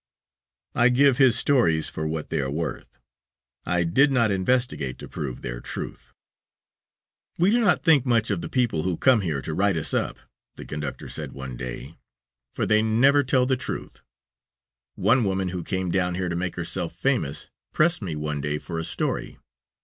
I give his stories for what they are worth; I did not investigate to prove their truth. "We do not think much of the people who come here to write us up," the conductor said one day, "for they never tell the truth. One woman who came down here to make herself famous pressed me one day for a story.